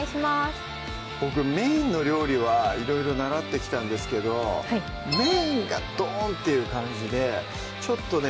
ボクメインの料理はいろいろ習ってきたんですけどメインがドンっていう感じでちょっとね